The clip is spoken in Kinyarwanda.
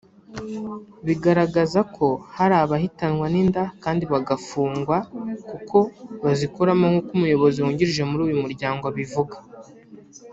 bagaragaza ko hari abahitanwa n’inda abandi bagafungwa kuko bazikuramo nk’uko Umuyobozi wungirije muri uyu muryango abivuga